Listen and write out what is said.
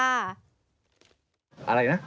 อะไรนะ